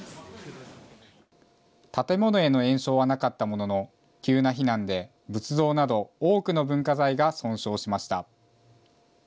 建物への延焼はなかったものの、急な避難で仏像など多くの文化財が損傷しました。